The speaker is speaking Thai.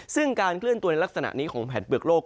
ซึ่งการเคลื่อนตัวในลักษณะนี้ของแผ่นเปลือกโลก